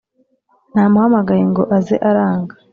namuhamagaye ngo aze aranga